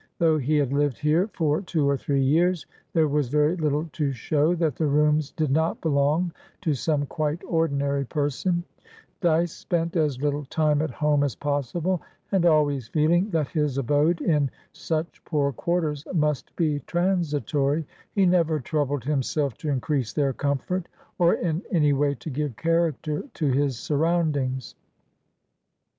Though he had lived here for two or three years, there was very little to show that the rooms did not belong to some quite ordinary person; Dyce spent as little time at home as possible, and, always feeling that his abode in such poor quarters must be transitory, he never troubled himself to increase their comfort, or in any way to give character to his surroundings.